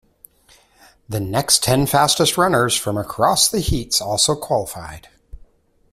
The next ten fastest runners from across the heats also qualified.